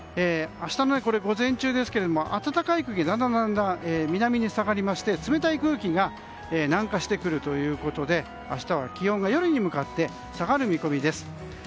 明日の午前中暖かい空気がだんだん南に下がりまして、冷たい空気が南下してくるということで明日は気温が夜に向かって下がる見込みです。